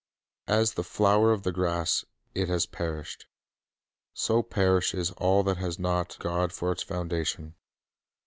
As "the flower of the grass," it has perished. So perishes all that has not God for its foundation.